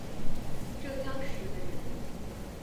浙江石门人。